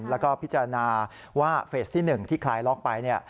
แล้วก็พิจารณาว่าเฟสที่๑ที่คลายล็อกไป